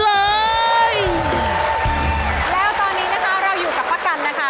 แล้วตอนนี้เราอยู่กับพระกันนะคะ